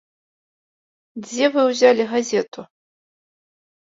Дзе вы ўзялі газету?